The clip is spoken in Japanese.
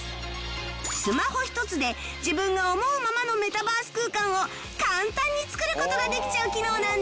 スマホ一つで自分が思うままのメタバース空間を簡単に作る事ができちゃう機能なんです